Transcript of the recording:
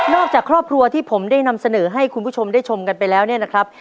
จากครอบครัวที่ผมได้นำเสนอให้คุณผู้ชมได้ชมกันไปแล้วเนี่ยนะครับ